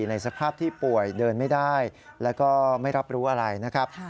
ในสภาพที่ป่วยเดินไม่ได้แล้วก็ไม่รับรู้อะไรนะครับ